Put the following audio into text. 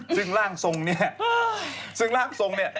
ซึ่งร่างทรงเนี่ย